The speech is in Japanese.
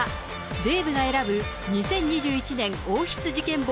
デーブが選ぶ２０２１年王室事件簿